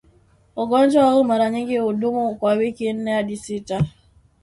Ugonjwa huu mara nyingi hudumu kwa wiki nne hadi sita